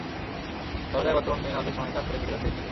বলা যায়, বর্তমানে দিনের অর্ধেক সময় কাজ করেই কেটে যাচ্ছে হৃতিকের।